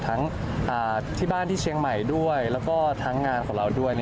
ทั้งที่บ้านที่เชียงใหม่ด้วยแล้วก็ทั้งงานของเราด้วย